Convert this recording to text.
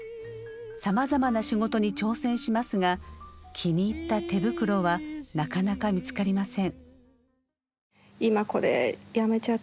さまざまな仕事に挑戦しますが気に入った手袋はなかなか見つかりません。